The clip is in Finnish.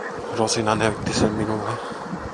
Rosina näytti sen minulle.